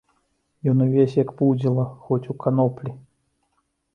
Ён увесь як пудзіла, хоць у каноплі.